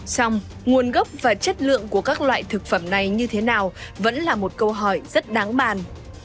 xong nguồn gốc và chất lượng của các loại thực phẩm này như thế nào vẫn là một câu hỏi rất đáng bàn